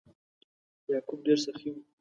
یعقوب ډیر سخي و.